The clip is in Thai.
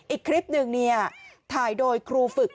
อีกคลิปหนึ่งถ่ายโดยครูฝึก